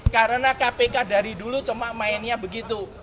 karena kpk dari dulu cuma mainnya begitu